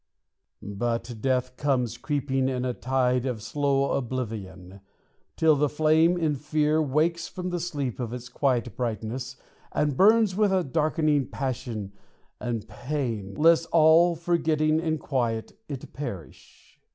But death comes creeping in a tide Of slow oblivion, till the flame in fear Wakes from the sleep of its quiet brightness And burns with a darkening passion and pain, Lest, all forgetting in quiet, it perish.